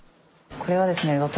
これはですねうん。